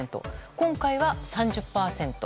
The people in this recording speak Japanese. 今回が３０％。